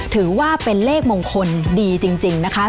ถือว่าเป็นเลขมงคลดีจริงนะคะ